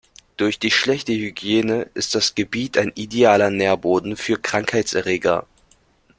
Durch die schlechte Hygiene ist das Gebiet ein idealer Nährboden für Krankheitserreger.